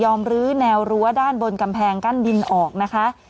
ลื้อแนวรั้วด้านบนกำแพงกั้นดินออกนะคะ